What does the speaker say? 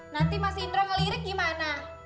nanti mas indra ngelirik gimana